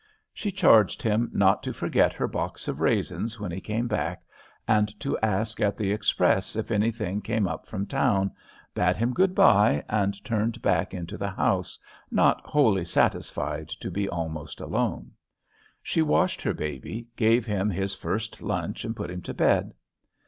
She charged him not to forget her box of raisins when he came back, and to ask at the express if anything came up from town, bade him good by, and turned back into the house, not wholly dissatisfied to be almost alone. She washed her baby, gave him his first lunch and put him to bed.